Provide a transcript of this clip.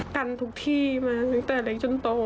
กันทุกที่มาตั้งแต่เล็กจนโต